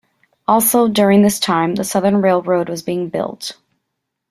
Also during this time, the Southern Railroad was being built.